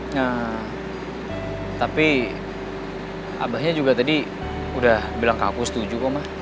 nah tapi abahnya juga tadi udah bilang ke aku setuju kok mah